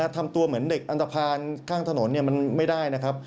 ทำตัวเหมือนเด็กอันตภัณฑ์ข้างถนนมันไม่ได้นะครับ